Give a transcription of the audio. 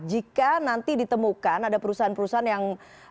jika nanti ditemukan ada perusahaan perusahaan yang